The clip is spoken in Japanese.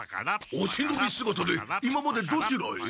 おしのびすがたで今までどちらへ？